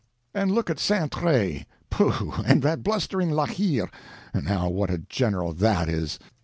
And look at Saintrailles—pooh! and that blustering La Hire, now what a general that is!"